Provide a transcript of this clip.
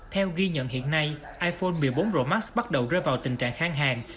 theo ghi nhận hiện nay iphone một mươi bốn pro max bắt đầu rơi vào tình trạng khang hàng